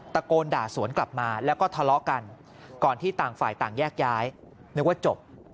ตะโกนด่าสวนกลับมาแล้วก็ทะเลาะกันก่อนที่ต่างฝ่ายต่างแยกย้ายนึกว่าจบ